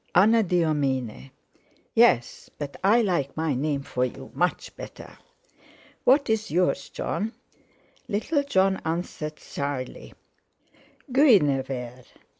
Anadyomene." "Yes! but I like my name for you much better." "What is yours, Jon?" Little Jon answered shyly: "Guinevere!